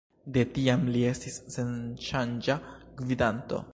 De tiam li estis senŝanĝa gvidanto.